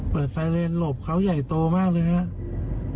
เปิดไซเรนหลบเขาใหญ่โตมากเลยครับ